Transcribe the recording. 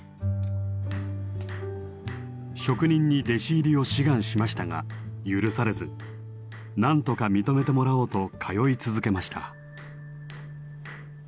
職人に弟子入りを志願しましたが許されずなんとか認めてもらおうと通い続けました。